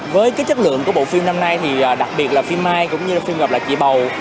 với cái chất lượng của bộ phim năm nay thì đặc biệt là phim mai cũng như là phim gặp lại chị bầu